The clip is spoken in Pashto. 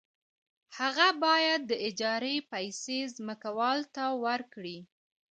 هغه باید د اجارې پیسې ځمکوال ته ورکړي